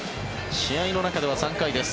試合の中では３回です。